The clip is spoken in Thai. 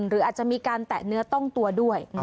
หรืออาจจะมีการแตะเนื้อต้องตัวด้วย